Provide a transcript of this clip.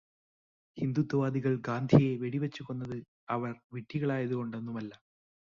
ഹിന്ദുത്വവാദികള് ഗാന്ധിയെ വെടിവച്ച് കൊന്നത് അവര് വിഡ്ഢികളായതു കൊണ്ടൊന്നുമല്ല.